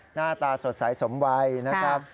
หน้าตาสดใสสมวัยนะครับ